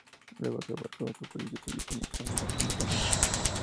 Luego se abocó a otro proyecto suyo como cantante.